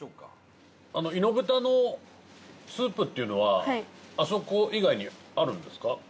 イノブタのスープっていうのはあそこ以外にあるんですか？